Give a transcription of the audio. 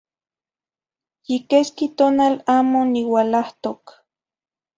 Yi quesqui tonal amo niualahtoc